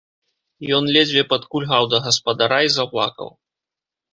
Ён ледзьве падкульгаў да гаспадара і заплакаў.